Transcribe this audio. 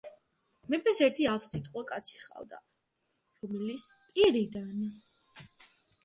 მეფეს ერთი ავსიტყვა კაცი ჰყავდა რომლის პირიდან